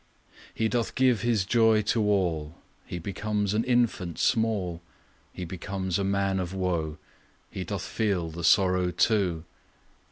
He doth give His joy to all; He becomes an infant small; He becomes a man of woe; He doth feel the sorrow too.